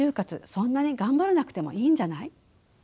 そんなに頑張らなくてもいいんじゃない？」。